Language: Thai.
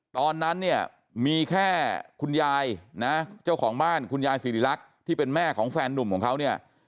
ตอนนั้นเนี่ยมีแค่คุณยายนะเจ้าของบ้านคุณยายสิริรักษ์ที่เป็นแม่ของแฟนนุ่มของเขาเนี่ย